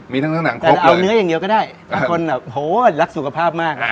มีทั้งหนังครบเลยแต่เราเอาเนื้ออย่างเดียวก็ได้ถ้าคนแบบโหรักสุขภาพมาก